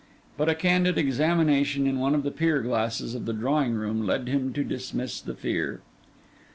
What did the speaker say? But a candid examination in one of the pier glasses of the drawing room led him to dismiss the fear.